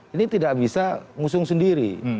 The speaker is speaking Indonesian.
ini tidak bisa ngusung sendiri